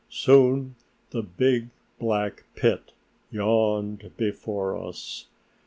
Soon the big, black pit yawned before us.